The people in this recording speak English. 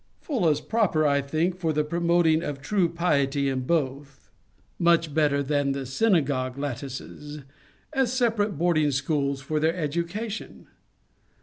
Full as proper, I think, for the promoting of true piety in both, [much better than the synagogue lattices,] as separate boarding schools for their education.